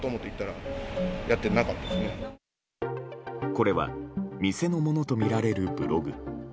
これは店のものとみられるブログ。